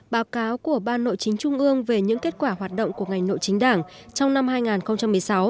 báo cáo của ban nội chính trung ương về những kết quả hoạt động của ngành nội chính đảng trong năm hai nghìn một mươi sáu